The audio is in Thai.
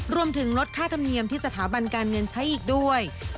รวมถึงลดค่าธรรมเนียมที่สถาบันการเงินใช้อีกด้วย